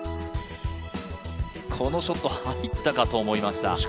このショット、入ったかと思いました。